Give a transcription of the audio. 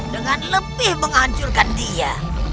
dengan lebih menghancurkan dia